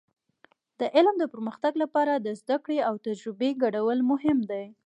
د علم د پرمختګ لپاره د زده کړې او تجربې ګډول مهم دي.